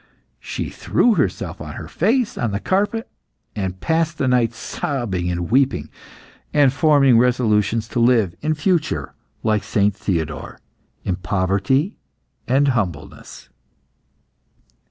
She threw herself on her face on the carpet, and passed the night sobbing and weeping, and forming resolutions to live, in future, like Saint Theodore, in poverty and humbleness.